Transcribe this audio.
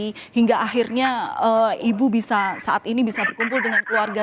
sehingga akhirnya ibu bisa saat ini bisa berkumpul dengan keluarga